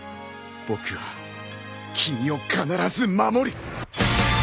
僕は君を必ず守る！